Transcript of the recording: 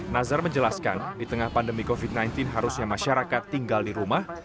nazar menjelaskan di tengah pandemi covid sembilan belas harusnya masyarakat tinggal di rumah